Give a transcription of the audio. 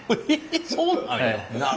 そうなんや。